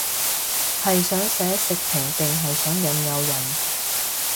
係想寫食評定係想引誘人